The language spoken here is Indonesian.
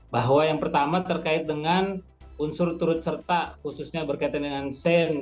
bahwa yang pertama terkait dengan unsur turut serta khususnya berkaitan dengan sens